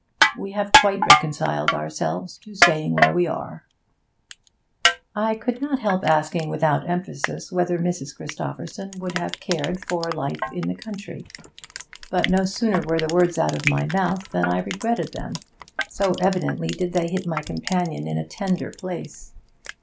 We have quite reconciled ourselves to staying where we are.' I could not help asking, without emphasis, whether Mrs. Christopherson would have cared for life in the country. But no sooner were the words out of my mouth than I regretted them, so evidently did they hit my companion in a tender place.